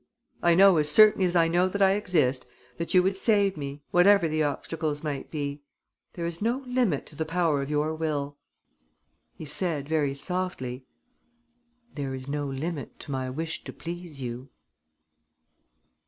I know, as certainly as I know that I exist, that you would save me, whatever the obstacles might be. There is no limit to the power of your will." He said, very softly: "There is no limit to my wish to please you."